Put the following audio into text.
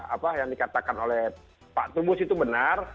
apa yang dikatakan oleh pak tubus itu benar